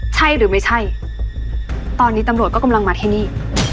ใช่หรือไม่ใช่ตอนนี้ตำรวจก็กำลังมาที่นี่